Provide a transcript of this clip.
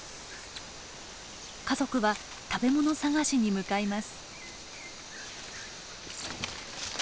家族は食べ物探しに向かいます。